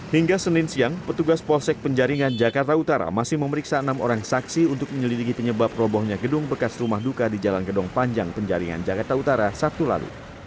hingga senin siang petugas polsek penjaringan jakarta utara masih memeriksa enam orang saksi untuk menyelidiki penyebab robohnya gedung bekas rumah duka di jalan gedung panjang penjaringan jakarta utara sabtu lalu